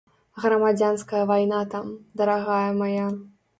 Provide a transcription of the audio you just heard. Грамадзянская вайна там, дарагая мая!